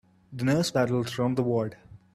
The nurse waddled around the ward.